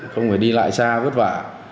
không phải đi lại xa vất vả